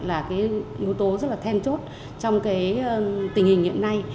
là cái yếu tố rất là then chốt trong cái tình hình hiện nay